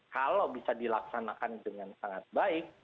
kalau bisa dilaksanakan dengan sangat baik